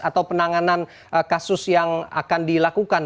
atau penanganan kasus yang akan dilakukan